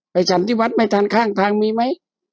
ฉันที่วัดไม่ทันข้างทางมีไหม